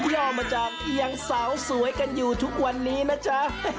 ่อมาจากเอียงสาวสวยกันอยู่ทุกวันนี้นะจ๊ะ